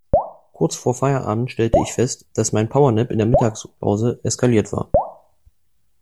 Kurz vor Feierabend stellte ich fest, dass mein Powernap in der Mittagspause eskaliert war.